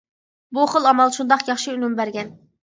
بۇ خىل ئامال شۇنداق ياخشى ئۈنۈم بەرگەن.